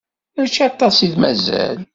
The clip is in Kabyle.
Mačči aṭas i d-mazal.